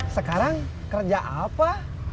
sekarang kerja apa